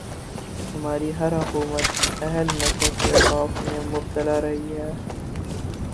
ہماری ہر حکومت اہل مذہب کے خوف میں مبتلا رہی ہے۔